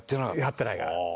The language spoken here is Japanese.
やってないから。